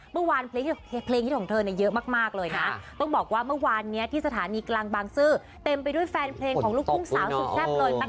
เมื่อวานเพลงฮิตของเธอเนี่ยเยอะมากเลยนะต้องบอกว่าเมื่อวานนี้ที่สถานีกลางบางซื่อเต็มไปด้วยแฟนเพลงของลูกทุ่งสาวสุดแซ่บเลย